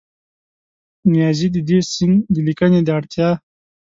نیازي د دې سیند د لیکنې د اړتیا